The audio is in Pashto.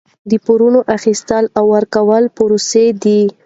د پورونو اخیستل او ورکول پروسه ده.